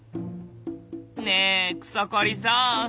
ねえ草刈さん